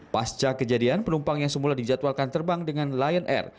pasca kejadian penumpang yang semula dijadwalkan terbang dengan lion air